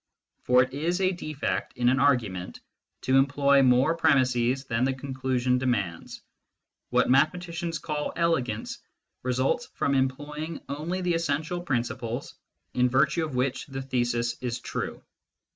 For it is a defect, in an argument, to employ more premisses than the conclusion demands : what mathematicians call elegance results from employing only the essential prin ciples in virtue of which the thesis is true.